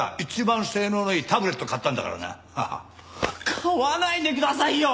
買わないでくださいよ！